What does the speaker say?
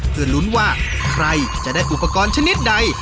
เพื่อลุ้นว่าใครจะได้อุปกรณ์ชนิดใด